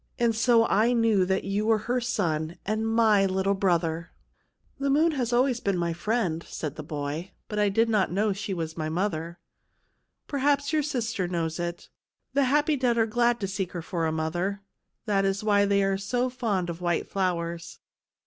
And so I knew that you were her son and my little brother." " The moon has always been my friend," said the boy ;" but I did not know that she was my mother." " Perhaps your sister knows it ; the happy dead are glad to seek her for a mother; CHILDREN OF THE MOON 165 that is why they are so fond of white flowers."